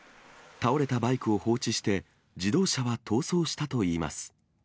倒れたバイクを放置して、自動車は逃走したといいます。